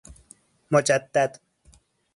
مجدد